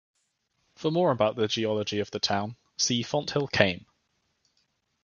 For more about the geology of the town, see Fonthill Kame.